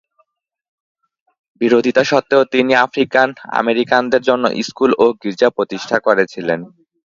বিরোধিতা সত্ত্বেও, তিনি আফ্রিকান-আমেরিকানদের জন্য স্কুল ও গির্জা প্রতিষ্ঠা করেছিলেন।